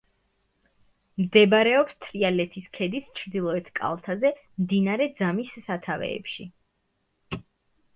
მდებარეობს თრიალეთის ქედის ჩრდილოეთ კალთაზე, მდინარე ძამის სათავეებში.